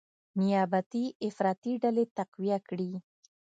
نیابتي افراطي ډلې تقویه کړي،